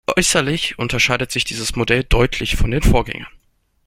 Äußerlich unterscheidet sich dieses Modell deutlich von den Vorgängern.